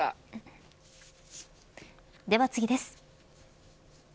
では次です。